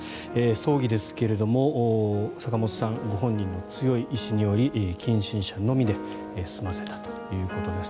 葬儀ですが坂本さんご本人の強い意思により近親者のみで済ませたということです。